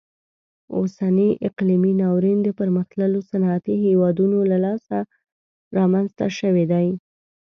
اوسنی اقلیمي ناورین د پرمختللو صنعتي هیوادونو له لاسه رامنځته شوی دی.